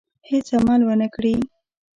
هېڅ عمل ونه کړي.